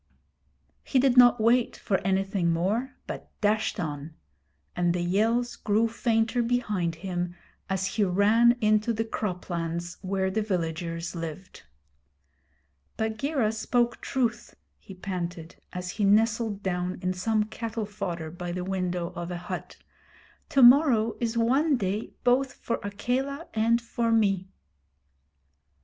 He did not wait for anything more, but dashed on; and the yells grew fainter behind him as he ran into the croplands where the villagers lived. 'Bagheera spoke truth,' he panted, as he nestled down in some cattle fodder by the window of a hut. 'To morrow is one day both for Akela and for me.'